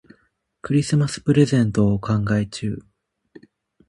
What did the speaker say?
クリスマスプレゼントを考え中。